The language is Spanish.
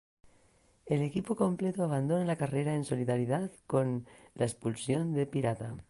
El equipo completo abandona la carrera en solidaridad con la expulsión del "Pirata".